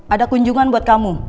ada kunjungan buat kamu